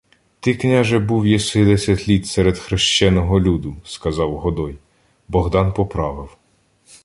— Ти, княже, був єси десять літ серед хрещеного люду, — сказав Годой. Богдан поправив: